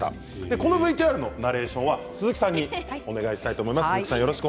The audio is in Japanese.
このＶＴＲのナレーションは鈴木さんにお願いしたいと思います。